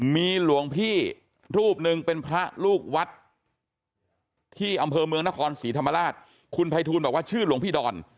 มีหลวงพี่รูปหนึ่งเป็นพระลูกวัดที่อำเภอเมืองนครศรีธรรมราชคุณภัยทูลบอกว่าชื่อหลวงพี่ดอน